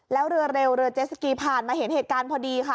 แล้วเรือเร็วเรือเจสสกีผ่านมาเห็นเหตุการณ์พอดีค่ะ